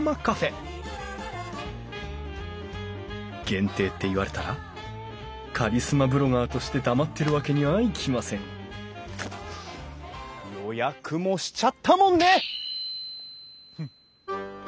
限定って言われたらカリスマブロガーとして黙ってるわけにはいきません予約もしちゃったもんね！